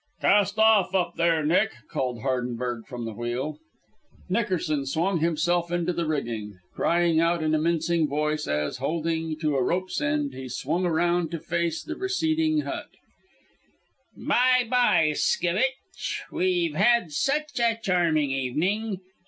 "Cast off up there, Nick!" called Hardenberg from the wheel. Nickerson swung himself into the rigging, crying out in a mincing voice as, holding to a rope's end, he swung around to face the receding hut: "By bye skevitch. We've had such a charming evening.